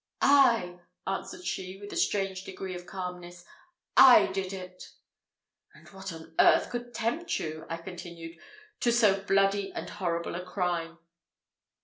"I!" answered she, with a strange degree of calmness; "I did it!" "And what on earth could tempt you," I continued, "to so bloody and horrible a crime?"